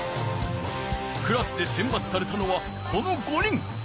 クラスで選ばつされたのはこの５人。